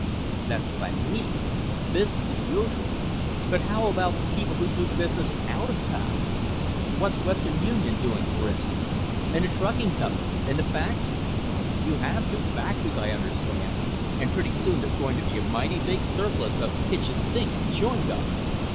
"That's what I mean. Business as usual. But how about the people who do business out of town? What's Western Union doing, for instance? And the trucking companies? And the factories? You have two factories, I understand, and pretty soon there's going to be a mighty big surplus of kitchen sinks and chewing gum."